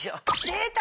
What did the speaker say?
出た！